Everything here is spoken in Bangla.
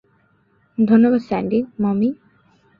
ধন্যবাদ স্যান্ডি - মমি?